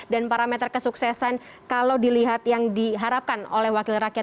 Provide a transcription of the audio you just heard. dan parameter kesuksesan kalau dilihat yang diharapkan oleh wakil rakyat